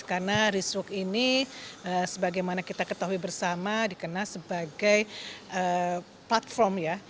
karena rich work ini sebagaimana kita ketahui bersama dikenal sebagai platform ya